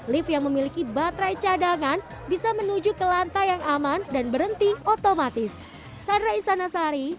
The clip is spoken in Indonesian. lift yang memiliki baterai cadangan bisa menuju ke lantai yang aman dan berhenti otomatis